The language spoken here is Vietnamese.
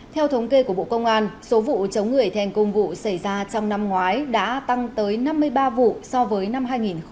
theo thống kê của bộ công an số vụ chống người thi hành công vụ xảy ra trong năm ngoái đã tăng tới năm mươi ba vụ so với năm hai nghìn một mươi tám